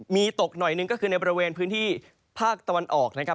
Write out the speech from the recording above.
มีตกหน่อยหนึ่งก็คือในบริเวณพื้นที่ภาคตะวันออกนะครับ